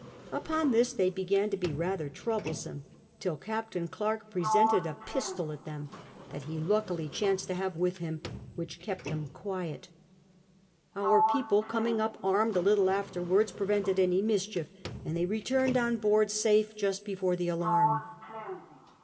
Upon this they began to he ratlier troublesome ; till Captain Clerke presented a pistol at them, that he luckily chanced to have with him, which kept them quiet Our people coming up armed a little afterwards prevented any mischief, and they returned on 132 CAPTAIN COOK CHAP. board nafc juRt before the alarm.